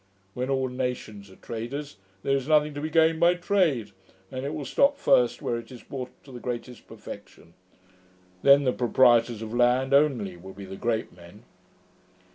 When all nations are traders, there is nothing to be gained by trade, and it will stop first where it is brought to the greatest perfection. Then the proprietors of land only will be the great men.'